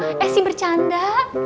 a a eh si bercanda